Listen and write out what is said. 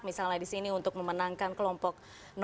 misalnya di sini untuk memenangkan kelompok